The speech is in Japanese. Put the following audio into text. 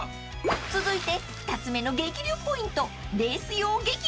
［続いて２つ目の激流ポイント］